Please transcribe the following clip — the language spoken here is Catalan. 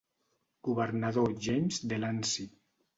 Governador James Delancey.